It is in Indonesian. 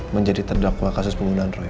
menjadi terdakwa kasus penggunaan roy